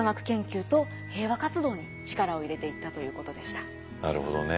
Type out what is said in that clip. ただなるほどね。